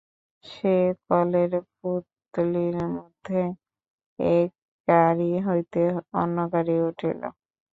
সে কলের পুতলির মতো এক গাড়ি হইতে অন্য গাড়ি উঠিল।